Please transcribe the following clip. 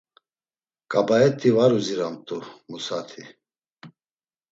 Ǩabaet̆i var uziramt̆u Musati.